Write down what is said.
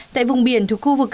tại vùng biển thuộc khu vực